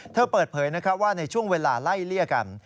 เปิดเผยว่าในช่วงเวลาไล่เลี่ยกัน